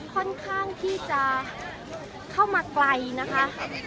ค่อนข้างที่จะเข้ามาไกลนะคะ